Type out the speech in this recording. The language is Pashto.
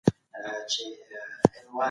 برتري د انسان په رنګ او نسل کي نه ده.